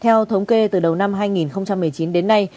theo thống kê từ đầu năm hai nghìn một mươi chín đến nay